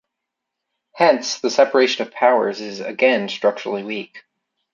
Hence, the separation of powers is again structurally weak.